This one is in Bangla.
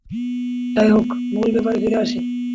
যাই হোক, মূল ব্যাপারে ফিরে আসি।